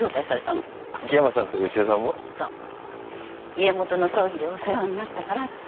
家元の葬儀でお世話になったからって。